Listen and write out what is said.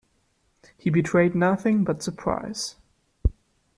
He betrayed nothing but surprise.